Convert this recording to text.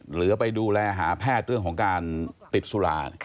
หรือไปดูแลหาแพทย์เรื่องของการติดสุรา